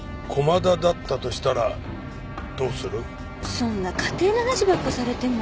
そんな仮定の話ばっかされても。